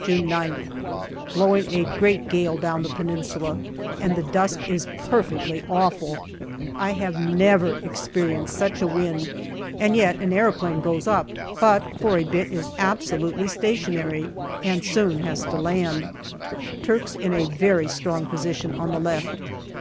June 9th. Blowing a great gale down the Peninsula, and the dust is perfectly awful. I have never experienced such a wind, and yet an aeroplane goes up, but for a bit is absolutely stationary, and soon has to land. Turks in a very strong position on the left.